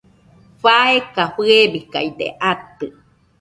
faeka fɨebikaide atɨ